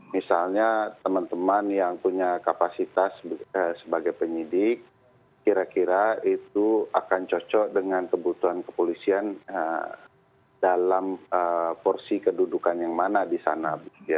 misalnya teman teman yang punya kapasitas sebagai penyidik kira kira itu akan cocok dengan kebutuhan kepolisian dalam porsi kedudukan yang mana di sana